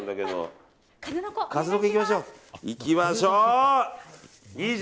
いきましょう。